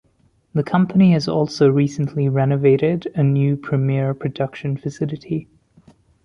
The company has also recently renovated a new premier production facility.